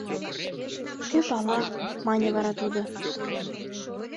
— Кӧ пала, — мане вара тудо.